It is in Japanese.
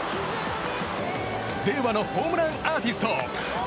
令和のホームランアーティスト。